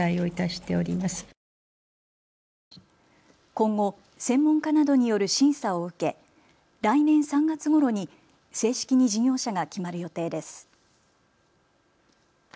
今後、専門家などによる審査を受け来年３月ごろに正式に事業者が決まる予定です。